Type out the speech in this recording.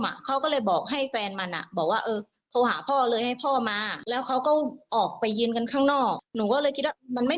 เราก็เดินเข้ามาแล้วก็ถามว่ามึงพูดอะไร